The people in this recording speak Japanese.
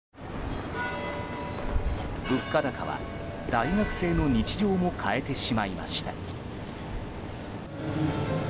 物価高は大学生の日常も変えてしまいました。